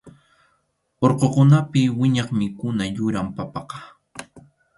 Urqukunapi wiñaq mikhuna yuram papaqa.